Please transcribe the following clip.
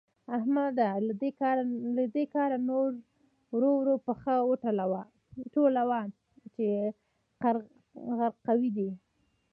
احمده؛ له دې کاره نور ورو ورو پښه ټولوه چې غرقوي دي.